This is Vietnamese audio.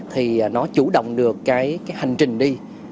thì nó chủ động được cái hành trình đi